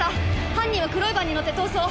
犯人は黒いバンに乗って逃走。